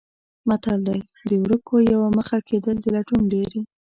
متل دی: د ورکو یوه مخه کېدل د لټون ډېرې.